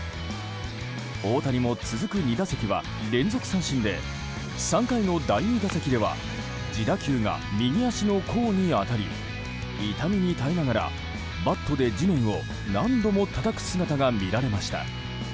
大谷も続く２打席は連続三振で３回の第２打席では自打球が右足の甲に当たり痛みに耐えながらバットで地面を何度もたたく姿が見られました。